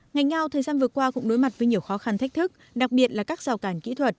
ngành ngao thời gian vừa qua cũng đối mặt với nhiều khó khăn thách thức đặc biệt là các rào cản kỹ thuật